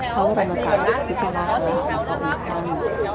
เค้ารำกัดริชาละเออบุคคล